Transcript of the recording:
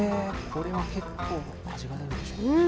これは結構味が出るでしょ。